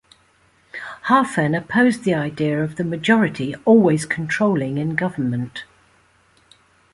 Hafen opposed the idea of the majority always controlling in government.